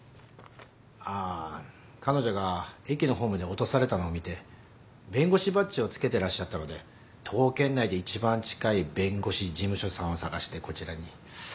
ああ彼女が駅のホームで落とされたのを見て弁護士バッジを着けてらっしゃったので徒歩圏内で一番近い弁護士事務所さんを探してこちらに。